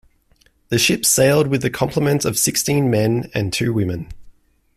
The ship sailed with a complement of sixteen men and two women.